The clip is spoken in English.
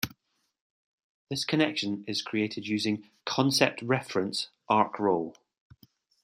This connection is created using "concept-reference" arcrole.